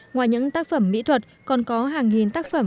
ngoài những tác phẩm mỹ thuật còn có hàng nghìn tác phẩm